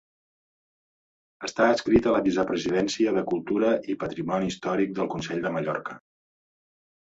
Està adscrit a la Vicepresidència de Cultura i Patrimoni Històric del Consell de Mallorca.